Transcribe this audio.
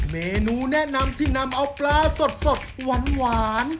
เมนูแนะนำที่นำเอาปลาสดหวาน